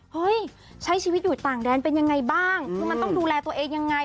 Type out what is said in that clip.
เฮ้ยใช้ชีวิตอยู่ต่างแดนเป็นยังไงบ้างคือมันต้องดูแลตัวเองยังไง